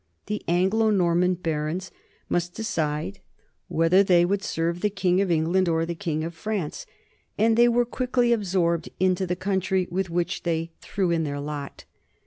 The Anglo Norman barons must decide whether they would serve the king of England or the king of France, and they were quickly absorbed into the coun try with which they threw in their lot.